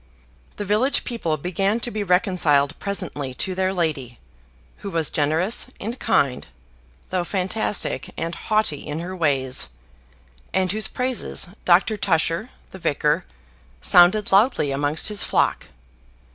The village people began to be reconciled presently to their lady, who was generous and kind, though fantastic and haughty, in her ways; and whose praises Dr. Tusher, the Vicar, sounded loudly amongst his flock.